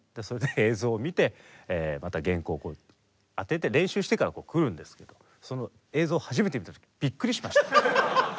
それで映像を見て原稿を当てて練習してから来るんですけどその映像を初めて見た時びっくりしました。